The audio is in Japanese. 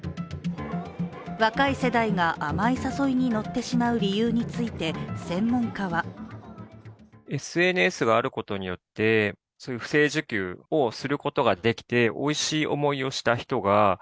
若い世代が甘い誘いに乗ってしまう理由について専門家は脱税指南で刑事告発。